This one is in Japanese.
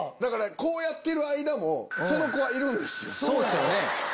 こうやってる間もその子はいるんですよ。